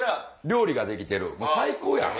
料理ができてるもう最高やん。